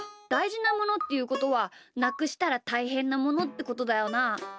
だいじなものっていうことはなくしたらたいへんなものってことだよな。